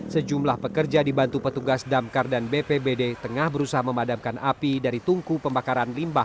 sejumlah pekerja dibantu petugas damkar dan bpbd tengah berusaha memadamkan api dari tungku pembakaran limbah